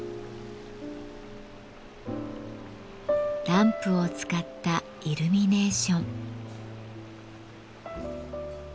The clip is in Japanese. ランプを使ったイルミネーション。